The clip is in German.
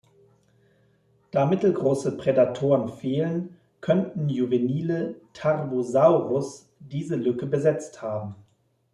Da mittelgroße Prädatoren fehlen, könnten juvenile "Tarbosaurus" diese Lücke besetzt haben.